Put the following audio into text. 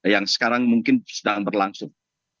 yang sekarang mungkin sedang berlangsung